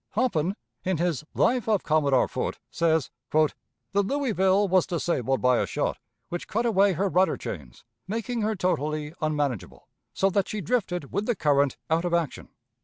Hoppin, in his "Life of Commodore Foote," says: "The Louisville was disabled by a shot, which cut away her rudder chains, making her totally unmanageable, so that she drifted with the current out of action.